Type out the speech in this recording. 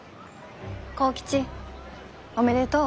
幸吉おめでとう。